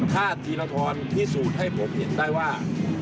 ถ้าทีมกรรทอนที่สูดให้ผมเห็นได้ว่า